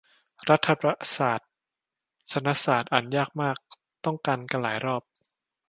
รัฐประศาสนศาตร์ อ่านยากมาก ต้องการกันหลายรอบ